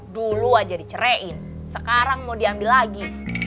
dulu aja dicerein sekarang mau diambil lagi